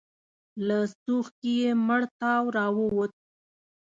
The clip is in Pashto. له څوښکي يې مړ تاو راووت.